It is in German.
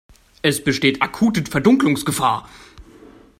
Es besteht akute Verdunkelungsgefahr.